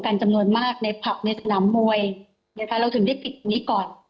ในพลับในสนามมวยนะคะเราถึงได้ปิดตรงนี้ก่อน